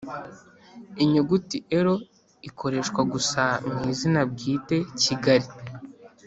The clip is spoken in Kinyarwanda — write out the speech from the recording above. Inyuguti “l” ikoreshwa gusa mu izina bwite “Kigali”,